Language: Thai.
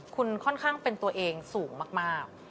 คุณค่อนข้างเป็นตัวเองสูงมาก